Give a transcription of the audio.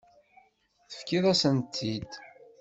Tefkiḍ-asent-t-id.